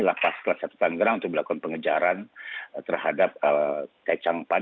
lepas kelas satu tanggerang untuk melakukan pengejaran terhadap cai cangpan